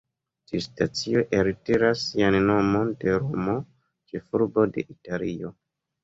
Tiu stacio eltiras sian nomon de Romo, ĉefurbo de Italio.